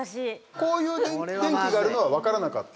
こういう電気があるのは分からなかった？